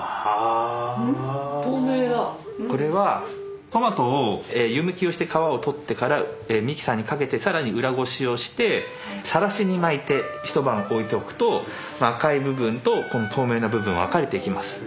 これはトマトを湯むきをして皮を取ってからミキサーにかけて更に裏ごしをしてさらしに巻いて一晩置いとくと赤い部分とこの透明な部分分かれていきます。